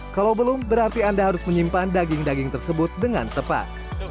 kalau belum berarti anda harus menyimpan daging daging tersebut dengan tepat